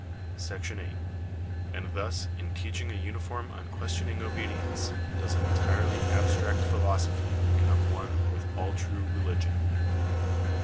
§ 8. And thus, in teaching a uniform unquestioning obedience, l does an entirely abstract philosophy become one with all true religion.